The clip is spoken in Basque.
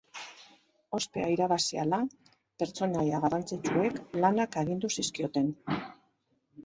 Ospea irabazi ahala, pertsonaia garrantzitsuek lanak agindu zizkioten.